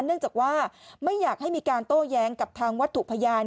เนื่องจากว่าไม่อยากให้มีการโต้แย้งกับทางวัตถุพยาน